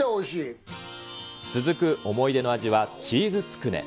続く思い出の味は、チーズつくね。